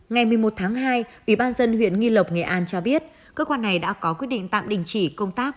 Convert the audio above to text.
ngày một mươi một tháng hai ủy ban dân huyện nghi lộc nghệ an cho biết cơ quan này đã có quyết định tạm đình chỉ công tác